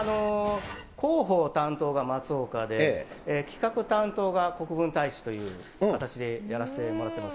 広報担当が松岡で、企画担当が国分太一という形でやらせてもらってます。